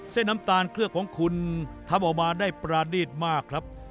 เส้นน้ำตาลเคลือกของคุณทำออกมาได้ประณีตมากครับ